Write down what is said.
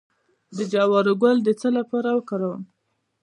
د جوار ګل د څه لپاره وکاروم؟